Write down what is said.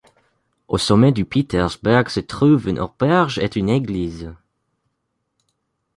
Au sommet du Petersberg se trouvent une auberge et une église.